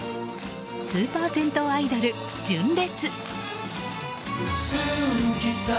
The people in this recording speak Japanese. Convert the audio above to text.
スーパー銭湯アイドル、純烈。